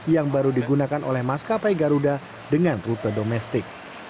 yang baru digunakan oleh maskapai garuda dengan rute domestik